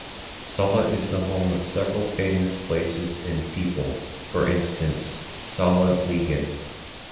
Sala is the home of several famous places and people, for instance "Sala-ligan".